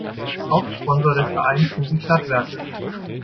Hauptsponsor des Vereins sind die Stadtwerke.